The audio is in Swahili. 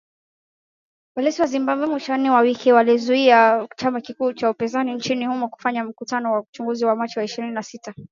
Polisi wa Zimbabwe, mwishoni mwa wiki ,walikizuia chama kikuu cha upinzani nchini humo kufanya mikutano kabla ya uchaguzi wa machi ishirini na sita